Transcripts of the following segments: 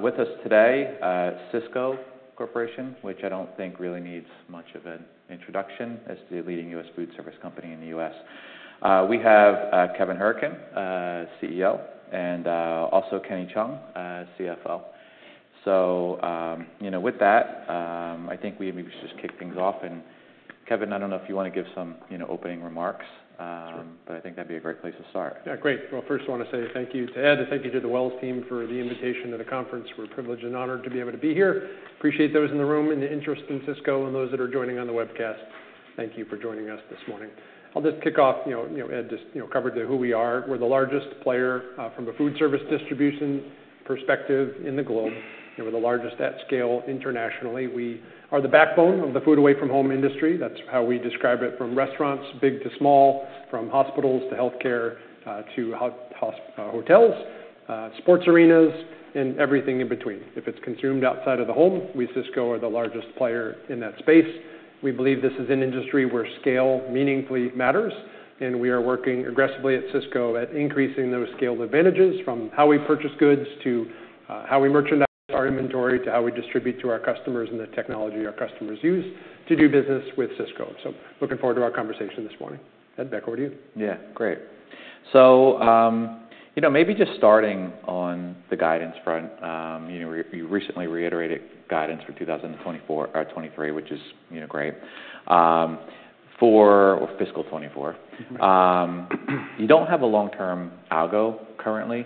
With us today, Sysco Corporation, which I don't think really needs much of an introduction, as the leading U.S. food service company in the U.S. We have Kevin Hourican, CEO, and also Kenny Cheung, CFO. So, you know, with that, I think we maybe just kick things off. Kevin, I don't know if you wanna give some, you know, opening remarks. Sure. But I think that'd be a great place to start. Yeah, great. Well, first, I wanna say thank you to Ed and thank you to the Wells team for the invitation to the conference. We're privileged and honored to be able to be here. Appreciate those in the room and the interest in Sysco and those that are joining on the webcast. Thank you for joining us this morning. I'll just kick off. You know, you know, Ed just, you know, covered who we are. We're the largest player from the food service distribution perspective in the globe, and we're the largest at scale internationally. We are the backbone of the food away from home industry. That's how we describe it, from restaurants, big to small, from hospitals to healthcare to hotels, sports arenas, and everything in between. If it's consumed outside of the home, we, Sysco, are the largest player in that space. We believe this is an industry where scale meaningfully matters, and we are working aggressively at Sysco at increasing those scaled advantages from how we purchase goods, to, how we merchandise our inventory, to how we distribute to our customers, and the technology our customers use to do business with Sysco. So looking forward to our conversation this morning. Ed, back over to you. Yeah, great. So, you know, maybe just starting on the guidance front, you know, you recently reiterated guidance for 2024, 2023, which is, you know, great, for fiscal 2024. Right. You don't have a long-term algo currently. You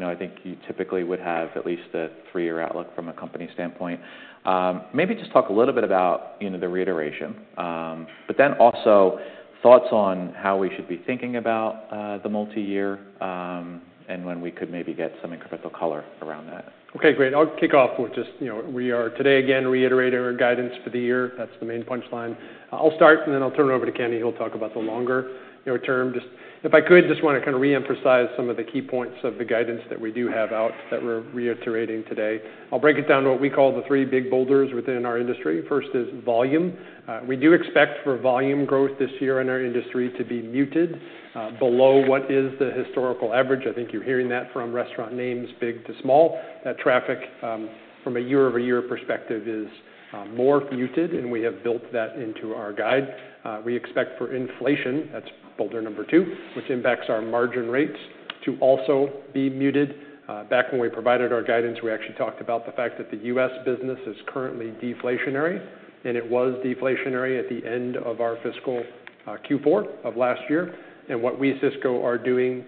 know, I think you typically would have at least a three-year outlook from a company standpoint. I think maybe just talk a little bit about, you know, the reiteration, but then also thoughts on how we should be thinking about, you know, the multi-year, and when we could maybe get some incremental color around that. Okay, great. I'll kick off with just, you know, we are today again reiterating our guidance for the year. That's the main punchline. I'll start, and then I'll turn it over to Kenny, who'll talk about the longer, you know, term. Just... If I could, just wanna re-emphasize some of the key points of the guidance that we do have out that we're reiterating today. I'll break it down to what we call the three big boulders within our industry. First is volume. We do expect for volume growth this year in our industry to be muted, below what is the historical average. I think you're hearing that from restaurant names, big to small. That traffic, from a year-over-year perspective is, more muted, and we have built that into our guide. We expect for inflation, that's boulder number two, which impacts our margin rates, to also be muted. Back when we provided our guidance, we actually talked about the fact that the U.S. business is currently deflationary, and it was deflationary at the end of our fiscal Q4 of last year. And what we, Sysco, are doing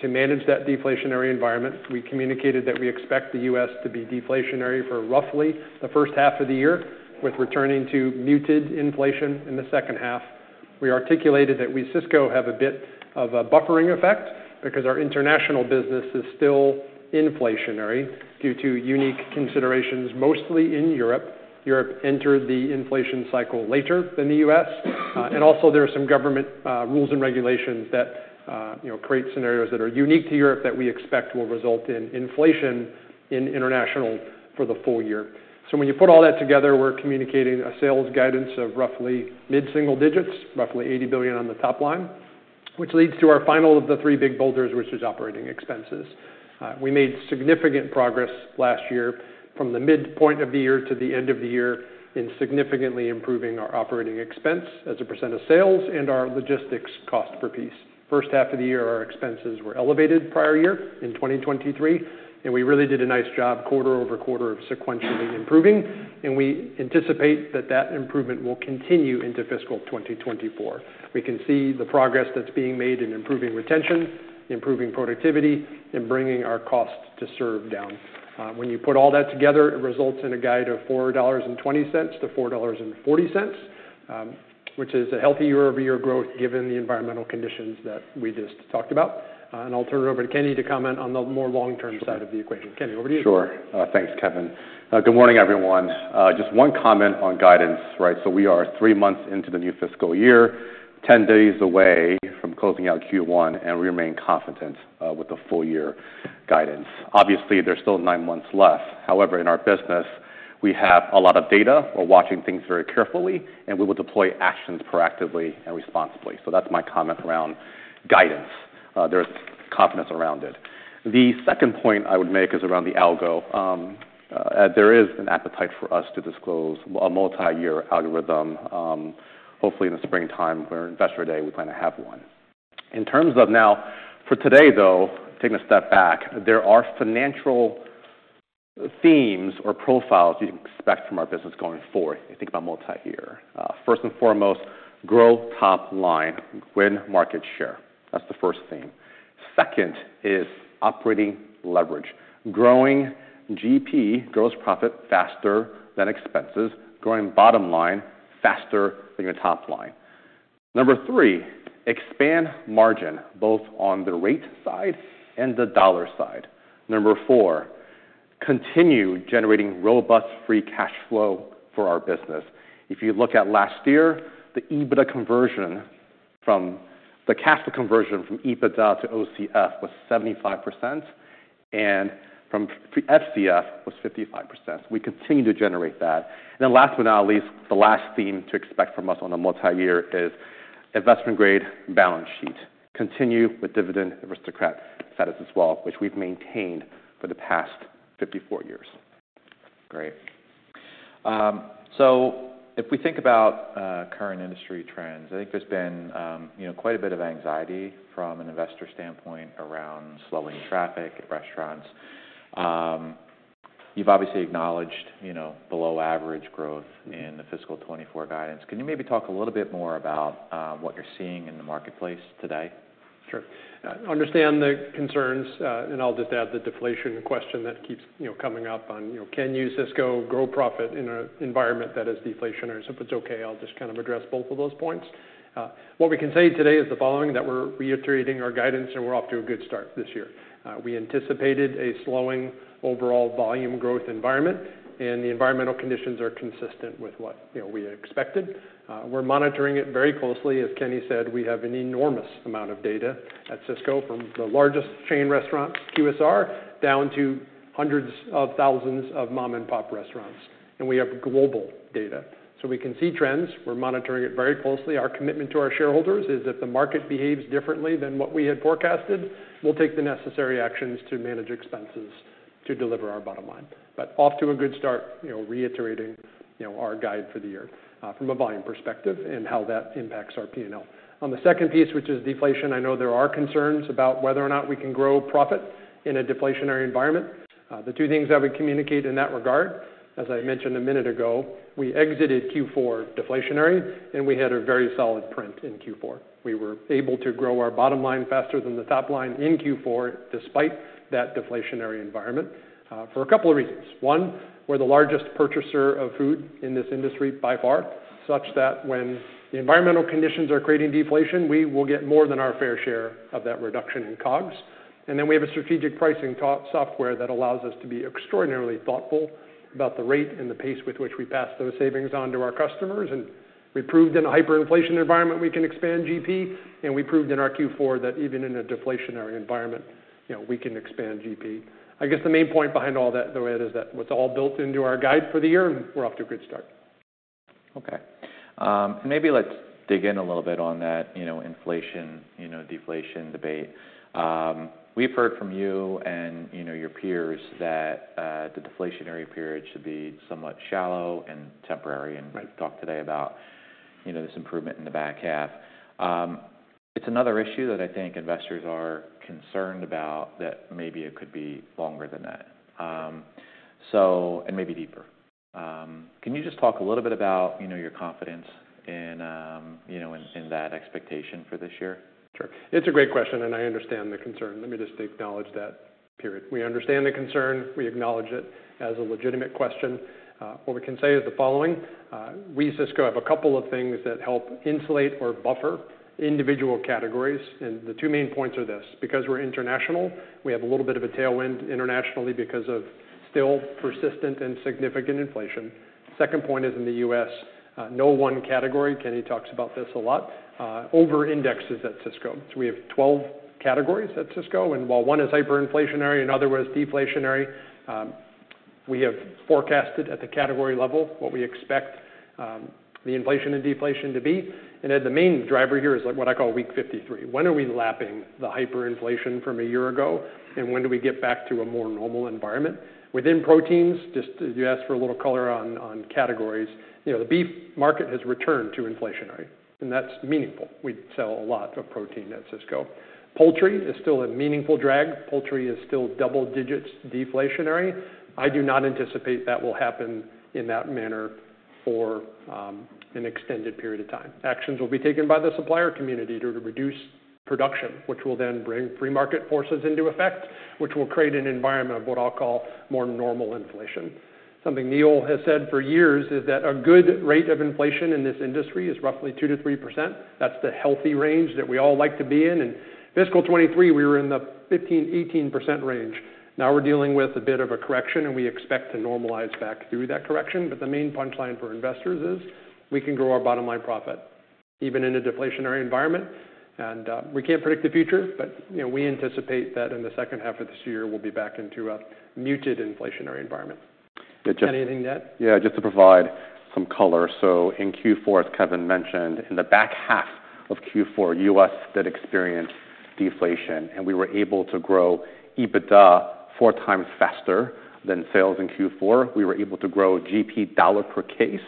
to manage that deflationary environment, we communicated that we expect the U.S. to be deflationary for roughly the first half of the year, with returning to muted inflation in the second half. We articulated that we, Sysco, have a bit of a buffering effect because our international business is still inflationary due to unique considerations, mostly in Europe. Europe entered the inflation cycle later than the U.S. And also there are some government rules and regulations that, you know, create scenarios that are unique to Europe that we expect will result in inflation in international for the full year. So when you put all that together, we're communicating a sales guidance of roughly mid-single digits, roughly $80 billion on the top line, which leads to our final of the three big boulders, which is operating expenses. We made significant progress last year from the midpoint of the year to the end of the year in significantly improving our operating expense as a percent of sales and our logistics cost per piece. First half of the year, our expenses were elevated prior year in 2023, and we really did a nice job quarter-over-quarter of sequentially improving, and we anticipate that that improvement will continue into fiscal 2024. We can see the progress that's being made in improving retention, improving productivity, and bringing our cost to serve down. When you put all that together, it results in a guide of $4.20-$4.40, which is a healthy year-over-year growth given the environmental conditions that we just talked about. I'll turn it over to Kenny to comment on the more long-term side of the equation. Kenny, over to you. Sure. Thanks, Kevin. Good morning, everyone. Just one comment on guidance, right? So we are three months into the new fiscal year, 10 days away from closing out Q1, and we remain confident with the full year guidance. Obviously, there's still nine months left. However, in our business, we have a lot of data. We're watching things very carefully, and we will deploy actions proactively and responsibly. So that's my comment around guidance. There's confidence around it. The second point I would make is around the algo. There is an appetite for us to disclose a multi-year algorithm. Hopefully, in the springtime, for Investor Day, we plan to have one. In terms of now, for today, though, taking a step back, there are financial themes or profiles you'd expect from our business going forward if you think about multi-year. First and foremost, grow top line, win market share. That's the first theme. Second is operating leverage. Growing GP, gross profit, faster than expenses, growing bottom line faster than your top line. Number three, expand margin, both on the rate side and the dollar side. Number four, continue generating robust free cash flow for our business. If you look at last year, the EBITDA conversion from the cash flow conversion from EBITDA to OCF was 75%, and from FCF was 55%. We continue to generate that. And then last but not least, the last theme to expect from us on a multi-year is investment grade balance sheet. Continue with Dividend Aristocrat status as well, which we've maintained for the past 54 years. Great. So if we think about current industry trends, I think there's been you know, quite a bit of anxiety from an investor standpoint around slowing traffic at restaurants. You've obviously acknowledged, you know, below average growth in the fiscal 2024 guidance. Can you maybe talk a little bit more about what you're seeing in the marketplace today? Sure. I understand the concerns, and I'll just add the deflation question that keeps, you know, coming up on, you know, can you, Sysco, grow profit in an environment that is deflationary? So if it's okay, I'll just kind of address both of those points. What we can say today is the following, that we're reiterating our guidance, and we're off to a good start this year. We anticipated a slowing overall volume growth environment, and the environmental conditions are consistent with what, you know, we expected. We're monitoring it very closely. As Kenny said, we have an enormous amount of data at Sysco, from the largest chain restaurant, QSR, down to hundreds of thousands of mom-and-pop restaurants, and we have global data. So we can see trends. We're monitoring it very closely. Our commitment to our shareholders is, if the market behaves differently than what we had forecasted, we'll take the necessary actions to manage expenses to deliver our bottom line. But off to a good start, you know, reiterating, you know, our guide for the year from a volume perspective and how that impacts our P&L. On the second piece, which is deflation, I know there are concerns about whether or not we can grow profit in a deflationary environment. The two things I would communicate in that regard, as I mentioned a minute ago, we exited Q4 deflationary, and we had a very solid print in Q4. We were able to grow our bottom line faster than the top line in Q4, despite that deflationary environment for a couple of reasons. One, we're the largest purchaser of food in this industry by far, such that when the environmental conditions are creating deflation, we will get more than our fair share of that reduction in COGS. And then we have a strategic pricing software that allows us to be extraordinarily thoughtful about the rate and the pace with which we pass those savings on to our customers. And we proved in a hyperinflation environment we can expand GP, and we proved in our Q4 that even in a deflationary environment, you know, we can expand GP. I guess the main point behind all that, though, Ed, is that it's all built into our guide for the year, and we're off to a good start. Okay. Maybe let's dig in a little bit on that, you know, inflation, you know, deflation debate. We've heard from you and, you know, your peers that the deflationary period should be somewhat shallow and temporary. Right. We've talked today about, you know, this improvement in the back half. It's another issue that I think investors are concerned about, that maybe it could be longer than that, and maybe deeper. Can you just talk a little bit about, you know, your confidence in, you know, in, in that expectation for this year? Sure. It's a great question, and I understand the concern. Let me just acknowledge that, period. We understand the concern. We acknowledge it as a legitimate question. What we can say is the following: we, Sysco, have a couple of things that help insulate or buffer individual categories, and the two main points are this: because we're international, we have a little bit of a tailwind internationally because of still persistent and significant inflation. Second point is, in the U.S., no one category, Kenny talks about this a lot, over-indexes at Sysco. We have 12 categories at Sysco, and while one is hyperinflationary and another was deflationary, we have forecasted at the category level what we expect the inflation and deflation to be. The main driver here is what I call week fifty-three. When are we lapping the hyperinflation from a year ago, and when do we get back to a more normal environment? Within proteins, just you asked for a little color on, on categories. You know, the beef market has returned to inflationary, and that's meaningful. We sell a lot of protein at Sysco. Poultry is still a meaningful drag. Poultry is still double digits deflationary. I do not anticipate that will happen in that manner for an extended period of time. Actions will be taken by the supplier community to reduce production, which will then bring free market forces into effect, which will create an environment of what I'll call more normal inflation. Something Neil has said for years is that a good rate of inflation in this industry is roughly 2%-3%. That's the healthy range that we all like to be in, and fiscal 2023, we were in the 15%-18% range. Now we're dealing with a bit of a correction, and we expect to normalize back through that correction. But the main punchline for investors is we can grow our bottom line profit, even in a deflationary environment. And, we can't predict the future, but, you know, we anticipate that in the second half of this year, we'll be back into a muted inflationary environment. Yeah, just- Anything to add? Yeah, just to provide some color. In Q4, as Kevin mentioned, in the back half of Q4, U.S. did experience deflation, and we were able to grow EBITDA 4x faster than sales in Q4. We were able to grow GP dollar per case.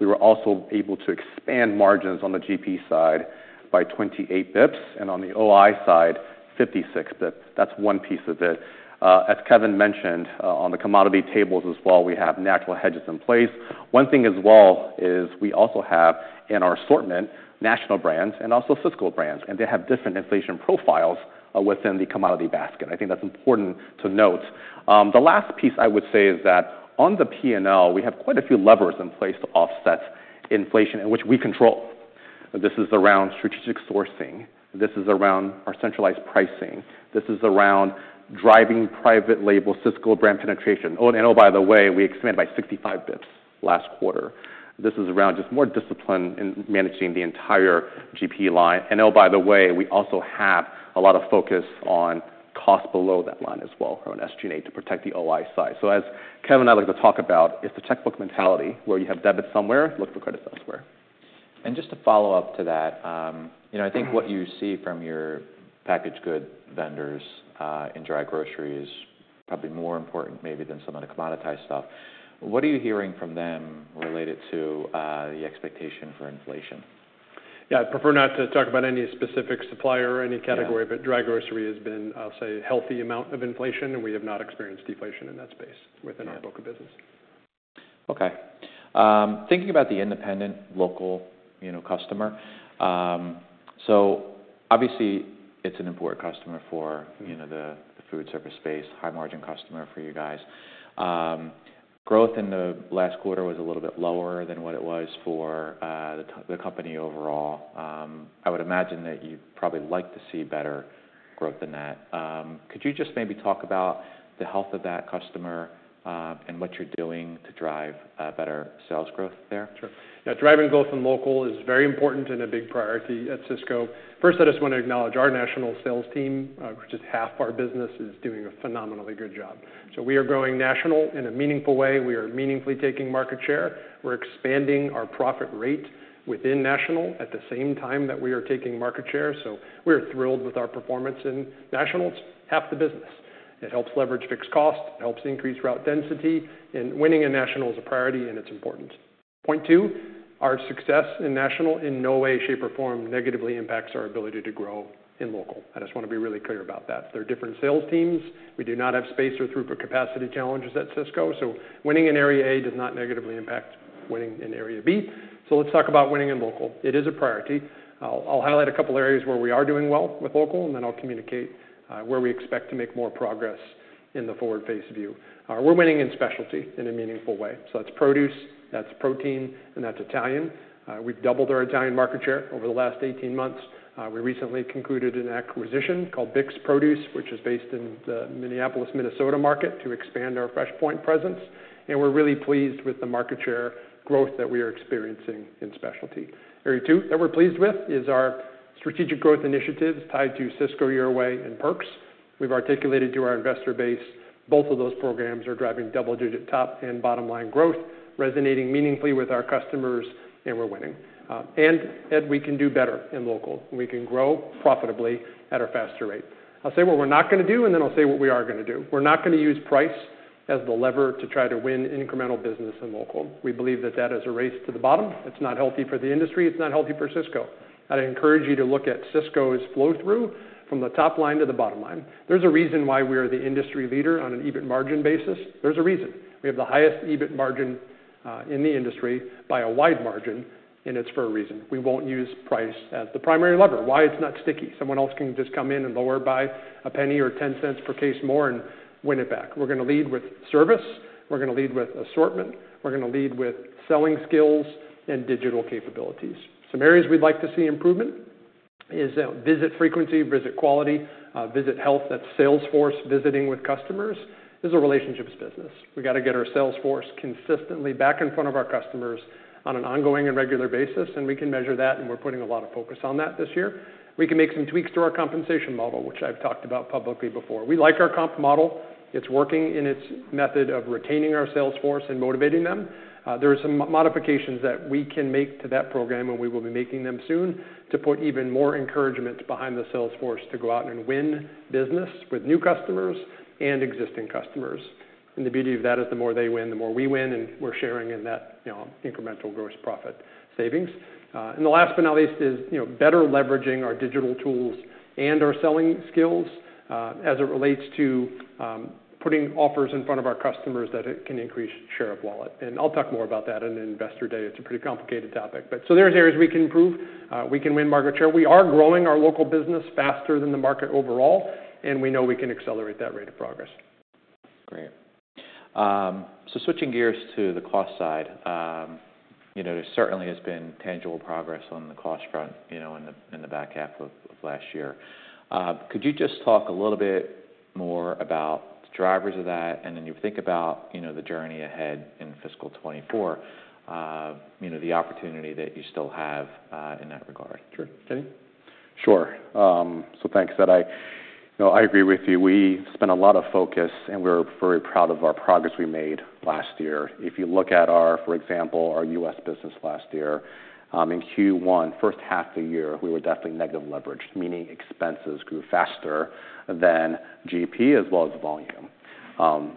We were also able to expand margins on the GP side by 28 basis points, and on the OI side, 56 basis points. That's one piece of it. As Kevin mentioned, on the commodity tables as well, we have natural hedges in place. One thing as well is we also have, in our assortment, national brands and also Sysco brands, and they have different inflation profiles within the commodity basket. I think that's important to note. The last piece I would say is that on the P&L, we have quite a few levers in place to offset inflation in which we control. This is around strategic sourcing. This is around our centralized pricing. This is around driving private label Sysco Brand penetration. Oh, and oh, by the way, we expanded by 65 basis points last quarter. This is around just more discipline in managing the entire GP line. Oh, by the way, we also have a lot of focus on cost below that line as well, or on SG&A to protect the OI side. As Kevin and I like to talk about, it's the textbook mentality, where you have debit somewhere, look for credit elsewhere. Just to follow up to that, you know, I think what you see from your packaged goods vendors in dry grocery is probably more important maybe than some of the commoditized stuff. What are you hearing from them related to the expectation for inflation? Yeah, I'd prefer not to talk about any specific supplier or any category- Yeah. but dry grocery has been, I'll say, a healthy amount of inflation, and we have not experienced deflation in that space. Yeah within our book of business. Okay. Thinking about the independent, local, you know, customer, so obviously it's an important customer for- Mm-hmm You know, the food service space. High-margin customer for you guys. Growth in the last quarter was a little bit lower than what it was for the company overall. I would imagine that you'd probably like to see better growth than that. Could you just maybe talk about the health of that customer, and what you're doing to drive better sales growth there? Sure. Yeah, driving growth in local is very important and a big priority at Sysco. First, I just wanna acknowledge our national sales team, which is half our business, is doing a phenomenally good job. So we are growing national in a meaningful way. We are meaningfully taking market share. We're expanding our profit rate within national at the same time that we are taking market share, so we are thrilled with our performance in nationals, half the business. It helps leverage fixed cost, it helps increase route density, and winning in national is a priority, and it's important. Point two, our success in national in no way, shape, or form negatively impacts our ability to grow in local. I just wanna be really clear about that. They're different sales teams. We do not have space or throughput capacity challenges at Sysco, so winning in area A does not negatively impact winning in area B. So let's talk about winning in local. It is a priority. I'll, I'll highlight a couple of areas where we are doing well with local, and then I'll communicate where we expect to make more progress in the forward-faced view. We're winning in specialty in a meaningful way, so that's produce, that's protein, and that's Italian. We've doubled our Italian market share over the last 18 months. We recently concluded an acquisition called Bix Produce, which is based in the Minneapolis, Minnesota market, to expand our FreshPoint presence, and we're really pleased with the market share growth that we are experiencing in specialty. Area two that we're pleased with is our strategic growth initiatives tied to Sysco Your Way and Perks. We've articulated to our investor base both of those programs are driving double-digit top and bottom line growth, resonating meaningfully with our customers, and we're winning. And, and we can do better in local. We can grow profitably at a faster rate. I'll say what we're not gonna do, and then I'll say what we are gonna do. We're not gonna use price as the lever to try to win incremental business in local. We believe that that is a race to the bottom. It's not healthy for the industry, it's not healthy for Sysco. I'd encourage you to look at Sysco's flow-through from the top line to the bottom line. There's a reason why we are the industry leader on an EBIT margin basis. There's a reason. We have the highest EBIT margin, in the industry by a wide margin, and it's for a reason. We won't use price as the primary lever. Why? It's not sticky. Someone else can just come in and lower by a penny or ten cents per case more and win it back. We're gonna lead with service, we're gonna lead with assortment, we're gonna lead with selling skills and digital capabilities. Some areas we'd like to see improvement is, visit frequency, visit quality, visit health. That's sales force visiting with customers. This is a relationships business. We gotta get our sales force consistently back in front of our customers on an ongoing and regular basis, and we can measure that, and we're putting a lot of focus on that this year. We can make some tweaks to our compensation model, which I've talked about publicly before. We like our comp model. It's working in its method of retaining our sales force and motivating them. There are some modifications that we can make to that program, and we will be making them soon to put even more encouragement behind the sales force to go out and win business with new customers and existing customers. And the beauty of that is the more they win, the more we win, and we're sharing in that, you know, incremental gross profit savings. And the last but not least is, you know, better leveraging our digital tools and our selling skills, as it relates to putting offers in front of our customers that it can increase share of wallet. And I'll talk more about that in Investor Day. It's a pretty complicated topic. But so there's areas we can improve. We can win market share. We are growing our local business faster than the market overall, and we know we can accelerate that rate of progress. Great. So switching gears to the cost side, you know, there certainly has been tangible progress on the cost front, you know, in the back half of last year. Could you just talk a little bit more about the drivers of that, and then you think about, you know, the journey ahead in fiscal 2024, you know, the opportunity that you still have, in that regard? Sure. Kenny? Sure. So thanks, Ed. You know, I agree with you. We spent a lot of focus, and we're very proud of our progress we made last year. If you look at our, for example, our U.S. business last year, in Q1, first half of the year, we were definitely negative leverage, meaning expenses grew faster than GP as well as volume.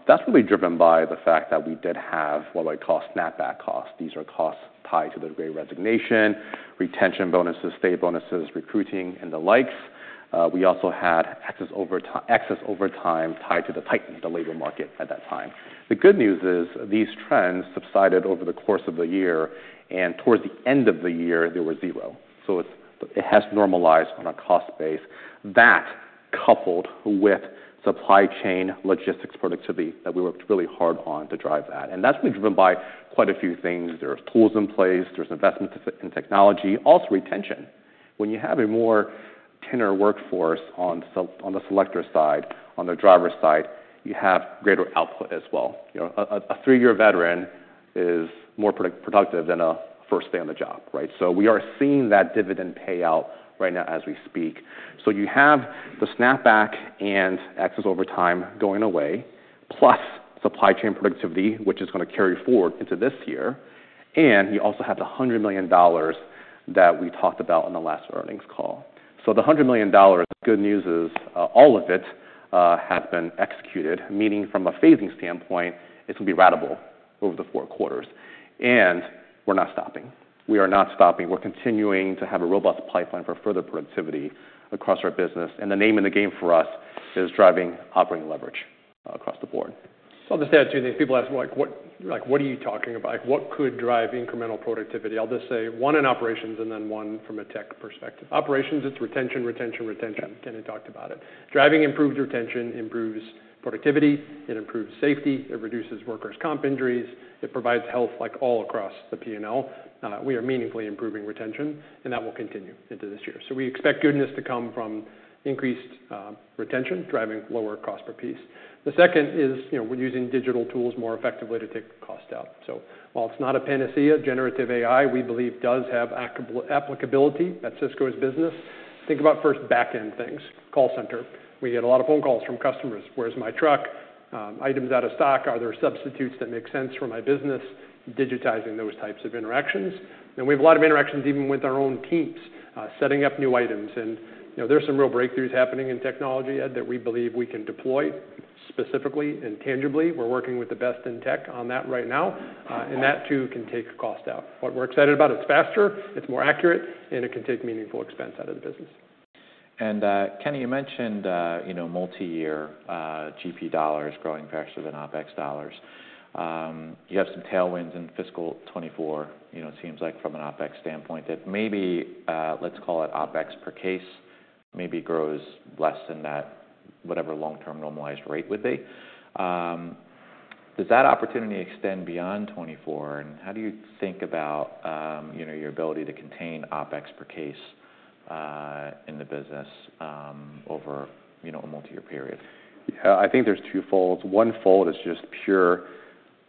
That's been driven by the fact that we did have what I call snapback costs. These are costs tied to the great resignation, retention bonuses, state bonuses, recruiting, and the likes. We also had excess overtime tied to the tight labor market at that time. The good news is, these trends subsided over the course of the year, and towards the end of the year, they were zero. So it has normalized on a cost base. That, coupled with supply chain logistics productivity, that we worked really hard on to drive that. And that's been driven by quite a few things. There are tools in place, there's investments in, in technology, also retention. When you have a more tenured workforce on the selector side, on the driver side, you have greater output as well. You know, a three-year veteran is more productive than a first day on the job, right? So we are seeing that dividend payout right now as we speak. So you have the snapback and access over time going away, plus supply chain productivity, which is gonna carry forward into this year. And you also have the $100 million that we talked about on the last earnings call. So the $100 million, good news is, all of it has been executed, meaning from a phasing standpoint, it will be ratable over the four quarters. And we're not stopping. We are not stopping. We're continuing to have a robust pipeline for further productivity across our business, and the name of the game for us is driving operating leverage across the board. So I'll just add to that. People ask, like, what-- like, what are you talking about? What could drive incremental productivity? I'll just say one in operations and then one from a tech perspective. Operations, it's retention, retention, retention. Kenny talked about it. Driving improved retention improves productivity, it improves safety, it reduces workers' comp injuries, it provides health, like, all across the P&L. We are meaningfully improving retention, and that will continue into this year. So we expect goodness to come from increased retention, driving lower cost per piece. The second is, you know, we're using digital tools more effectively to take the cost out. So while it's not a panacea, generative AI, we believe, does have applicability at Sysco's business. Think about first backend things, call center. We get a lot of phone calls from customers. "Where's my truck? “Items out of stock, are there substitutes that make sense for my business?” Digitizing those types of interactions. Then we have a lot of interactions even with our own teams, setting up new items. And, you know, there's some real breakthroughs happening in technology, Ed, that we believe we can deploy specifically and tangibly. We're working with the best in tech on that right now, and that too, can take cost out. What we're excited about, it's faster, it's more accurate, and it can take meaningful expense out of the business. Kenny, you mentioned, you know, multi-year, GP dollars growing faster than OpEx dollars. You have some tailwinds in fiscal 2024, you know, it seems like from an OpEx standpoint, that maybe, let's call it OpEx per case, maybe grows less than that, whatever long-term normalized rate would be. Does that opportunity extend beyond 2024, and how do you think about, you know, your ability to contain OpEx per case, in the business, over, you know, a multi-year period? Yeah, I think there's twofolds. Onefold is just pure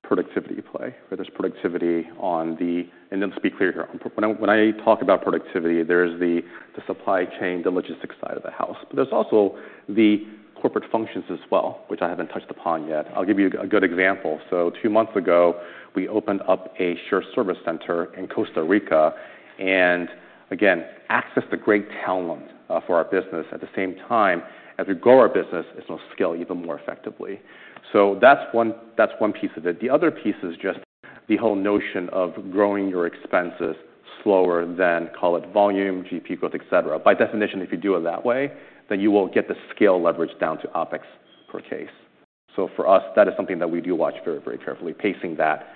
productivity play, where there's productivity on the... And let's be clear here, when I talk about productivity, there's the supply chain, the logistics side of the house, but there's also the corporate functions as well, which I haven't touched upon yet. I'll give you a good example. So two months ago, we opened up a shared service center in Costa Rica, and again, access to great talent for our business. At the same time, as we grow our business, it's gonna scale even more effectively. So that's one, that's one piece of it. The other piece is just the whole notion of growing your expenses slower than, call it volume, GP growth, et cetera. By definition, if you do it that way, then you will get the scale leverage down to OpEx per case. So for us, that is something that we do watch very, very carefully, pacing that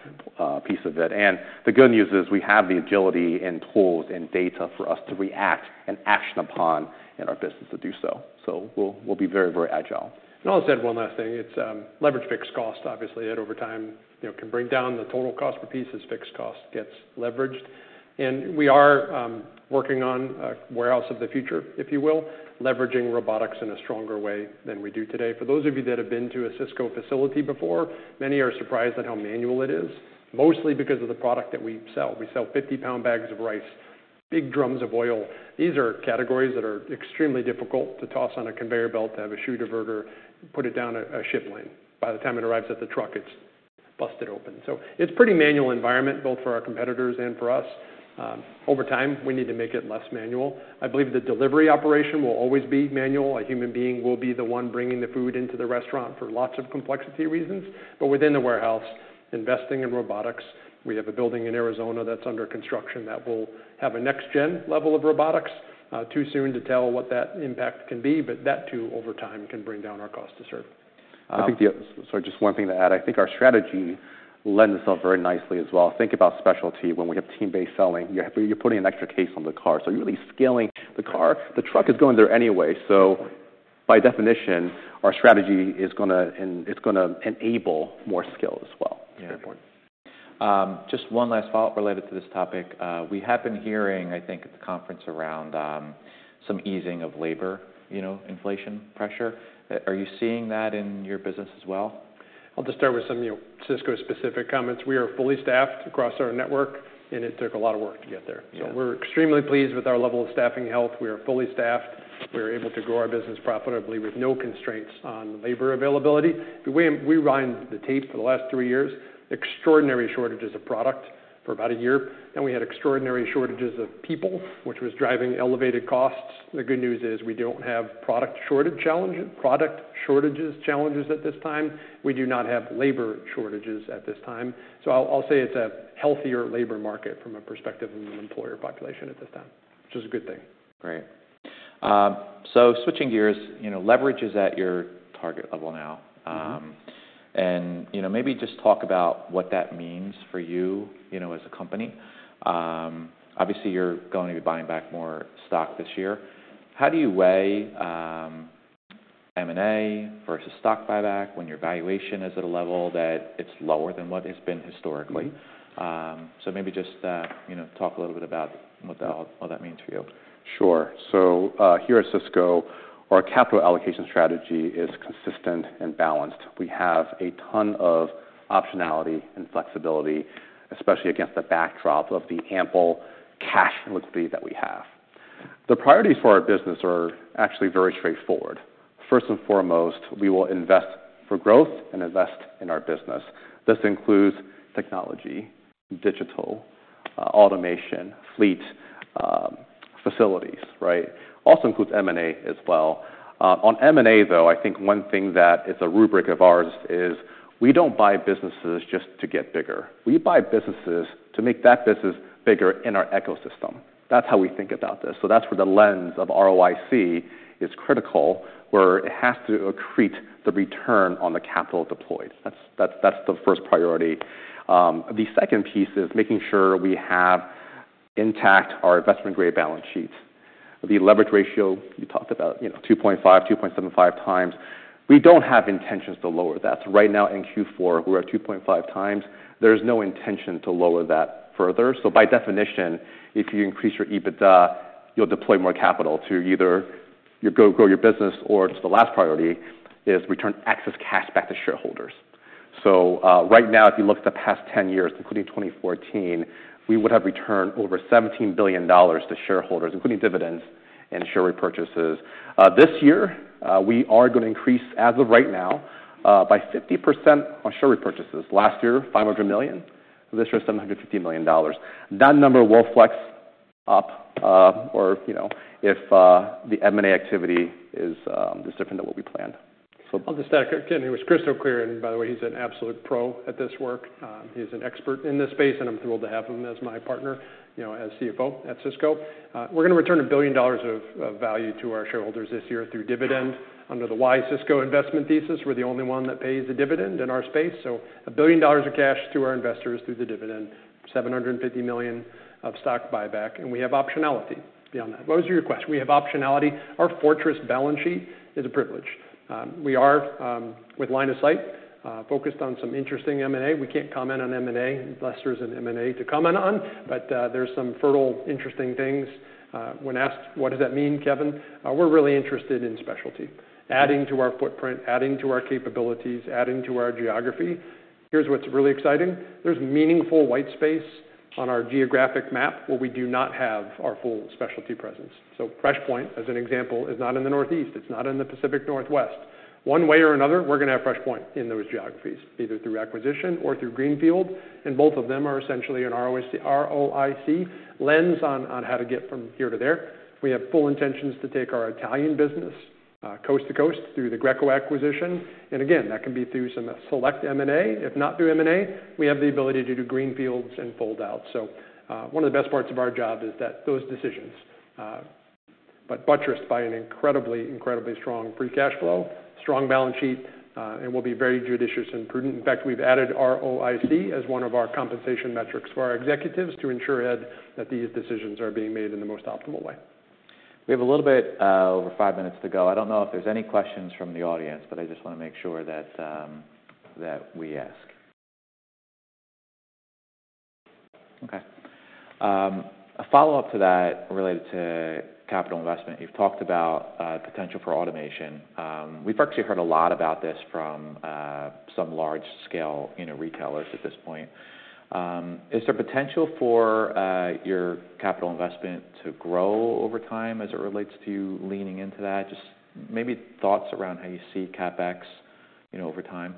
piece of it. And the good news is, we have the agility and tools and data for us to react and action upon in our business to do so. So we'll, we'll be very, very agile. And I'll just add one last thing. It's leverage fixed cost. Obviously, that over time, you know, can bring down the total cost per piece as fixed cost gets leveraged. And we are working on a warehouse of the future, if you will, leveraging robotics in a stronger way than we do today. For those of you that have been to a Sysco facility before, many are surprised at how manual it is, mostly because of the product that we sell. We sell 50-pound bags of rice, big drums of oil. These are categories that are extremely difficult to toss on a conveyor belt, to have a shoe diverter, put it down a ship line. By the time it arrives at the truck, it's busted open. So it's pretty manual environment, both for our competitors and for us. Over time, we need to make it less manual. I believe the delivery operation will always be manual. A human being will be the one bringing the food into the restaurant for lots of complexity reasons. But within the warehouse, investing in robotics, we have a building in Arizona that's under construction that will have a next-gen level of robotics. Too soon to tell what that impact can be, but that too, over time, can bring down our cost to serve. I think. Sorry, just one thing to add. I think our strategy lends itself very nicely as well. Think about specialty. When we have team-based selling, you're putting an extra case on the car, so you're really scaling the car. The truck is going there anyway, so by definition, our strategy is gonna—it's gonna enable more scale as well. Yeah. Very important. Just one last follow-up related to this topic. We have been hearing, I think, at the conference around, some easing of labor, you know, inflation pressure. Are you seeing that in your business as well? I'll just start with some, you know, Sysco-specific comments. We are fully staffed across our network, and it took a lot of work to get there. Yeah. We're extremely pleased with our level of staffing health. We are fully staffed. We are able to grow our business profitably with no constraints on labor availability. We wind the tape for the last three years, extraordinary shortages of product for about a year, then we had extraordinary shortages of people, which was driving elevated costs. The good news is, we don't have product shortage challenges at this time. We do not have labor shortages at this time. I'll say it's a healthier labor market from a perspective of an employer population at this time, which is a good thing. Great. So switching gears, you know, leverage is at your target level now. Mm-hmm. And, you know, maybe just talk about what that means for you, you know, as a company. Obviously, you're going to be buying back more stock this year. How do you weigh M&A versus stock buyback when your valuation is at a level that it's lower than what it's been historically? So maybe just, you know, talk a little bit about what that, what that means for you. Sure. So, here at Sysco. Our capital allocation strategy is consistent and balanced. We have a ton of optionality and flexibility, especially against the backdrop of the ample cash liquidity that we have. The priorities for our business are actually very straightforward. First and foremost, we will invest for growth and invest in our business. This includes technology, digital, automation, fleet, facilities, right? Also includes M&A as well. On M&A, though, I think one thing that is a rubric of ours is we don't buy businesses just to get bigger. We buy businesses to make that business bigger in our ecosystem. That's how we think about this. So that's where the lens of ROIC is critical, where it has to accrete the return on the capital deployed. That's the first priority. The second piece is making sure we have intact our investment grade balance sheet. The leverage ratio you talked about, you know, 2.5x-2.75x, we don't have intentions to lower that. So right now, in Q4, we're at 2.5x. There is no intention to lower that further. So by definition, if you increase your EBITDA, you'll deploy more capital to either you go grow your business or just the last priority, is return excess cash back to shareholders. So, right now, if you look at the past 10 years, including 2014, we would have returned over $17 billion to shareholders, including dividends and share repurchases. This year, we are going to increase, as of right now, by 50% on share repurchases. Last year, $500 million. This year, $750 million. That number will flex up, or you know, if the M&A activity is different than what we planned. So- I'll just add, again, he was crystal clear, and by the way, he's an absolute pro at this work. He's an expert in this space, and I'm thrilled to have him as my partner, you know, as CFO at Sysco. We're going to return $1 billion of value to our shareholders this year through dividend. Under the Why Sysco investment thesis, we're the only one that pays a dividend in our space, so $1 billion of cash to our investors through the dividend, $750 million of stock buyback, and we have optionality beyond that. What was your question? We have optionality. Our fortress balance sheet is a privilege. We are, with line of sight, focused on some interesting M&A. We can't comment on M&A, unless there's an M&A to comment on, but, there's some fertile, interesting things. When asked, "What does that mean, Kevin?" we're really interested in specialty, adding to our footprint, adding to our capabilities, adding to our geography. Here's what's really exciting. There's meaningful white space on our geographic map where we do not have our full specialty presence. FreshPoint, as an example, is not in the Northeast, it's not in the Pacific Northwest. One way or another, we're gonna have FreshPoint in those geographies, either through acquisition or through greenfield, and both of them are essentially an ROIC lens on how to get from here to there. We have full intentions to take our Italian business coast to coast through the Greco acquisition, and again, that can be through some select M&A. If not through M&A, we have the ability to do greenfields and fold out. So, one of the best parts of our job is that those decisions, but buttressed by an incredibly, incredibly strong free cash flow, strong balance sheet, and we'll be very judicious and prudent. In fact, we've added ROIC as one of our compensation metrics for our executives to ensure that, that these decisions are being made in the most optimal way. We have a little bit over five minutes to go. I don't know if there's any questions from the audience, but I just want to make sure that we ask. Okay. A follow-up to that, related to capital investment. You've talked about potential for automation. We've actually heard a lot about this from some large-scale, you know, retailers at this point. Is there potential for your capital investment to grow over time as it relates to you leaning into that? Just maybe thoughts around how you see CapEx, you know, over time.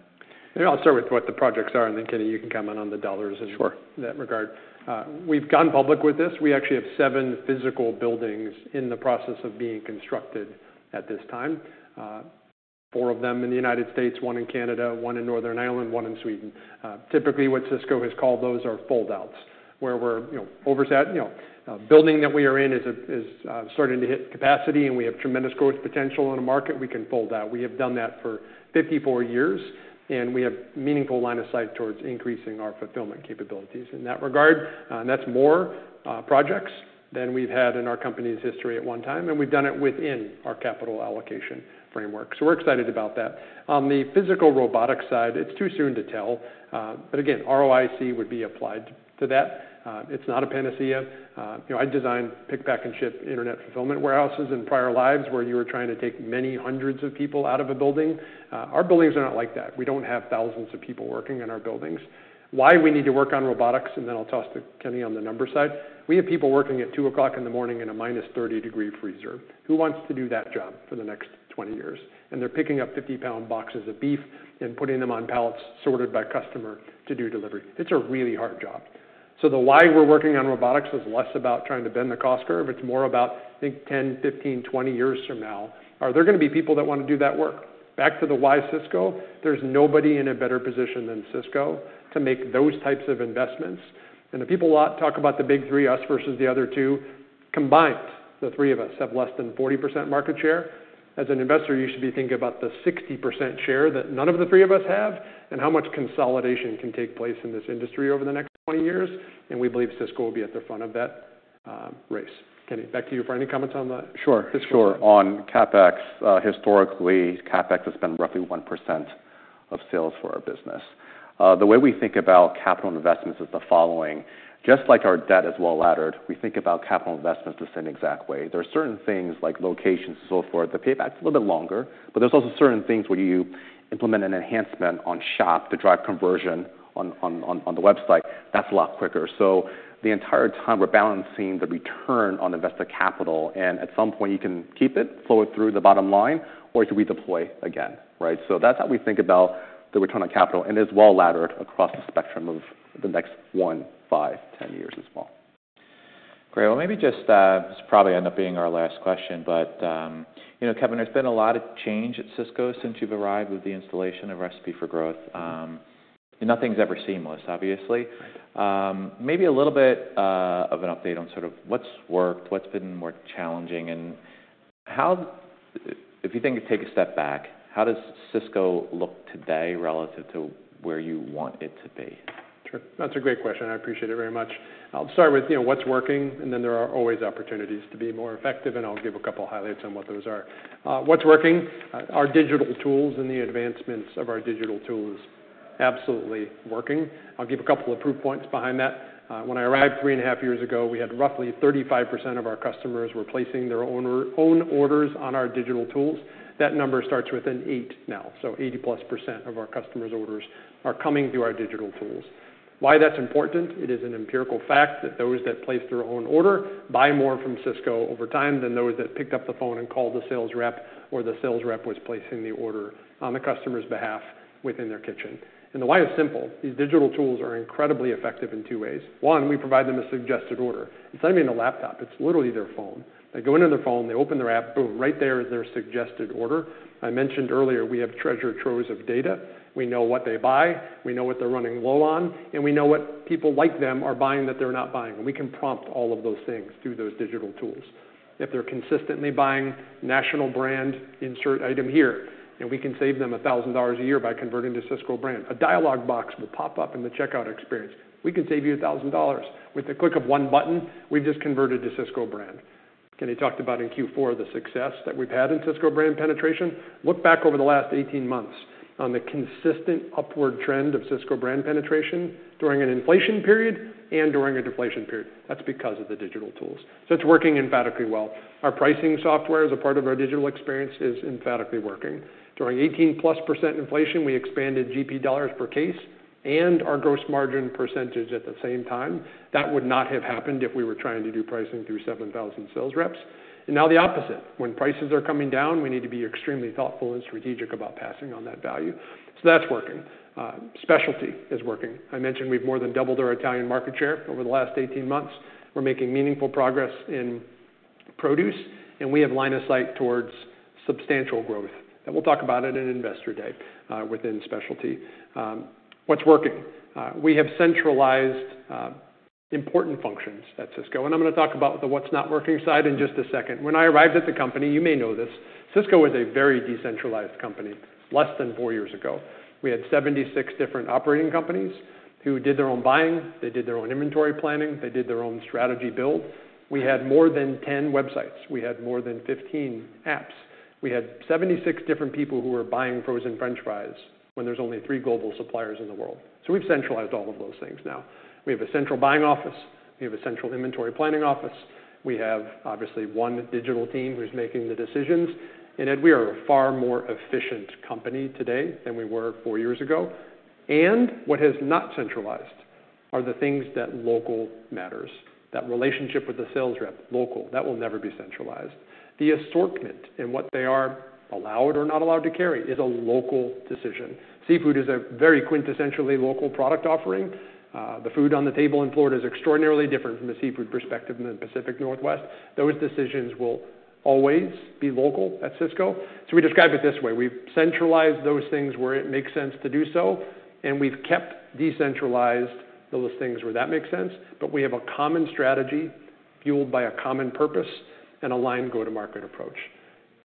Maybe I'll start with what the projects are, and then, Kenny, you can comment on the dollars- Sure. We've gone public with this. We actually have seven physical buildings in the process of being constructed at this time. Four of them in the United States, one in Canada, one in Northern Ireland, one in Sweden. Typically, what Sysco has called those are fold outs, where we're, you know, oversat—you know, a building that we are in is, is starting to hit capacity, and we have tremendous growth potential in a market we can fold out. We have done that for 54 years, and we have meaningful line of sight towards increasing our fulfillment capabilities in that regard. That's more projects than we've had in our company's history at one time, and we've done it within our capital allocation framework, so we're excited about that. On the physical robotics side, it's too soon to tell, but again, ROIC would be applied to that. It's not a panacea. You know, I designed pick, pack, and ship internet fulfillment warehouses in prior lives, where you were trying to take many hundreds of people out of a building. Our buildings are not like that. We don't have thousands of people working in our buildings. Why we need to work on robotics, and then I'll toss to Kenny on the numbers side: we have people working at 2:00 A.M. in a minus 30-degree freezer. Who wants to do that job for the next 20 years? And they're picking up 50-pound boxes of beef and putting them on pallets, sorted by customer to do delivery. It's a really hard job. So the why we're working on robotics is less about trying to bend the cost curve. It's more about, think 10, 15, 20 years from now, are there gonna be people that want to do that work? Back to the why Sysco, there's nobody in a better position than Sysco to make those types of investments. And the people a lot talk about the big three, us versus the other two, combined, the three of us have less than 40% market share. As an investor, you should be thinking about the 60% share that none of the three of us have and how much consolidation can take place in this industry over the next 20 years, and we believe Sysco will be at the front of that, race. Kenny, back to you for any comments on the- Sure, sure. On CapEx, historically, CapEx has been roughly 1% of sales for our business. The way we think about capital investments is the following: just like our debt is well-laddered, we think about capital investments the same exact way. There are certain things like locations and so forth, that payback is a little bit longer, but there's also certain things where you implement an enhancement on Shop to drive conversion on the website. That's a lot quicker. So the entire time, we're balancing the return on invested capital, and at some point, you can keep it, flow it through the bottom line, or it redeploy again, right? So that's how we think about the return on capital, and it's well-laddered across the spectrum of the next one, five, 10 years as well. Great. Well, maybe just, this will probably end up being our last question, but, you know, Kevin, there's been a lot of change at Sysco since you've arrived, with the installation of Recipe for Growth. Nothing's ever seamless, obviously. Right. Maybe a little bit of an update on sort of what's worked, what's been more challenging, and how... If you think, take a step back, how does Sysco look today relative to where you want it to be? Sure. That's a great question, and I appreciate it very much. I'll start with, you know, what's working, and then there are always opportunities to be more effective, and I'll give a couple of highlights on what those are. What's working? Our digital tools and the advancements of our digital tool is absolutely working. I'll give a couple of proof points behind that. When I arrived three and a half years ago, we had roughly 35% of our customers were placing their own orders on our digital tools. That number starts with an eight now, so 80%+ of our customers' orders are coming through our digital tools. Why that's important? It is an empirical fact that those that place their own order buy more from Sysco over time than those that picked up the phone and called the sales rep, or the sales rep was placing the order on the customer's behalf within their kitchen. The why is simple: These digital tools are incredibly effective in two ways. One, we provide them a suggested order. It's not even a laptop; it's literally their phone. They go into their phone, they open their app, boom, right there is their suggested order. I mentioned earlier, we have treasure troves of data. We know what they buy, we know what they're running low on, and we know what people like them are buying that they're not buying. We can prompt all of those things through those digital tools. If they're consistently buying national brand, insert item here, and we can save them $1,000 a year by converting to Sysco Brand. A dialogue box will pop up in the checkout experience. "We can save you $1,000." With the click of one button, we've just converted to Sysco Brand. Kenny talked about in Q4 the success that we've had in Sysco Brand penetration. Look back over the last 18 months on the consistent upward trend of Sysco Brand penetration during an inflation period and during a deflation period. That's because of the digital tools. So it's working emphatically well. Our pricing software, as a part of our digital experience, is emphatically working. During 18%+ inflation, we expanded GP dollars per case and our gross margin percentage at the same time. That would not have happened if we were trying to do pricing through 7,000 sales reps. And now the opposite. When prices are coming down, we need to be extremely thoughtful and strategic about passing on that value. So that's working. Specialty is working. I mentioned we've more than doubled our Italian market share over the last 18 months. We're making meaningful progress in produce, and we have line of sight towards substantial growth. And we'll talk about it in Investor Day within specialty. What's working? We have centralized important functions at Sysco, and I'm gonna talk about the what's not working side in just a second. When I arrived at the company, you may know this, Sysco was a very decentralized company. Less than four years ago, we had 76 different operating companies who did their own buying, they did their own inventory planning, they did their own strategy build. We had more than 10 websites. We had more than 15 apps. We had 76 different people who were buying frozen french fries when there's only three global suppliers in the world. So we've centralized all of those things now. We have a central buying office, we have a central inventory planning office, we have, obviously, one digital team who's making the decisions, and we are a far more efficient company today than we were four years ago. And what has not centralized are the things that local matters. That relationship with the sales rep, local, that will never be centralized. The assortment and what they are allowed or not allowed to carry is a local decision. Seafood is a very quintessentially local product offering. The food on the table in Florida is extraordinarily different from a seafood perspective than the Pacific Northwest. Those decisions will always be local at Sysco. So we describe it this way: We've centralized those things where it makes sense to do so, and we've kept decentralized those things where that makes sense, but we have a common strategy fueled by a common purpose and a line go-to-market approach.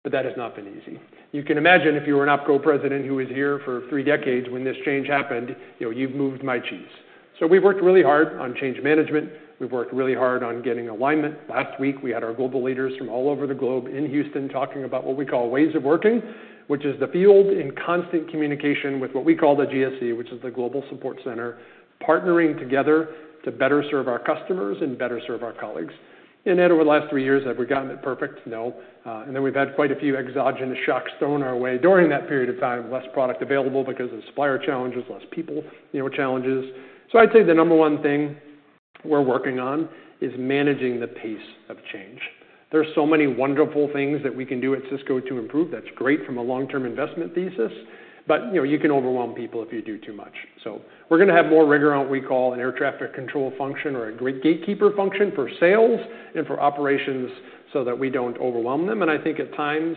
But that has not been easy. You can imagine if you were an op co president who was here for three decades when this change happened, you know, you've moved my cheese. So we've worked really hard on change management. We've worked really hard on getting alignment. Last week, we had our global leaders from all over the globe in Houston, talking about what we call Ways of Working, which is the field in constant communication with what we call the GSC, which is the Global Support Center, partnering together to better serve our customers and better serve our colleagues. And then over the last three years, have we gotten it perfect? No. And then we've had quite a few exogenous shocks thrown our way during that period of time. Less product available because of supplier challenges, less people, you know, challenges. So I'd say the number one thing we're working on is managing the pace of change. There are so many wonderful things that we can do at Sysco to improve. That's great from a long-term investment thesis, but, you know, you can overwhelm people if you do too much. So we're gonna have more rigor on what we call an air traffic control function or a great gatekeeper function for sales and for operations so that we don't overwhelm them. And I think at times,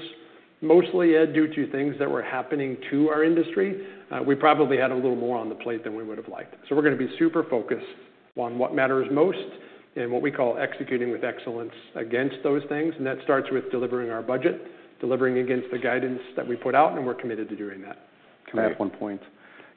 mostly Ed, due to things that were happening to our industry, we probably had a little more on the plate than we would have liked. So we're gonna be super focused on what matters most and what we call executing with excellence against those things, and that starts with delivering our budget, delivering against the guidance that we put out, and we're committed to doing that. Can I add one point?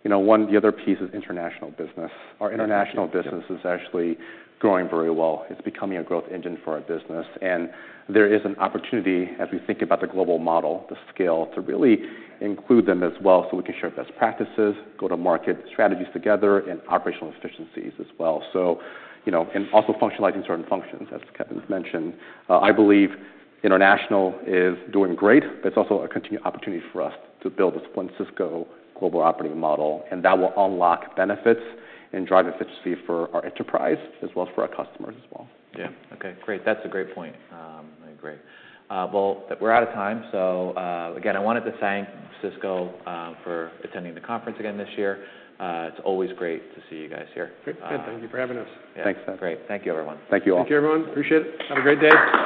You know, one, the other piece is international business. Our international business is actually growing very well. It's becoming a growth engine for our business, and there is an opportunity, as we think about the global model, the scale, to really include them as well, so we can share best practices, go-to-market strategies together, and operational efficiencies as well. So you know, and also functionalizing certain functions, as Kevin's mentioned. I believe international is doing great, but it's also a continued opportunity for us to build a single Sysco global operating model, and that will unlock benefits and drive efficiency for our enterprise as well as for our customers as well. Yeah. Okay, great. That's a great point. Great. Well, we're out of time. So, again, I wanted to thank Sysco for attending the conference again this year. It's always great to see you guys here. Great. Thank you for having us. Thanks. Great. Thank you, everyone. Thank you all. Thank you, everyone. Appreciate it. Have a great day.